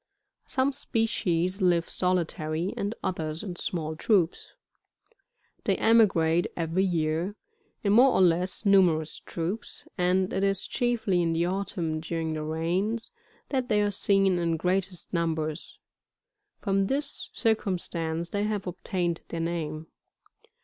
Some species live solitary, and others in small troops. They emigrate every year, in more or less numerous troops, and it is chiefly in the autumn during the rains, that they are seen in greatest numbers ; from this circumstance they have obtained their name.